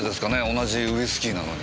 同じウイスキーなのに。